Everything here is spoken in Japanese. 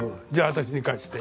私に貸して。